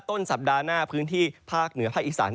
ต้นสัปดาห์หน้าพื้นที่ภาคเหนือภาคอีสาน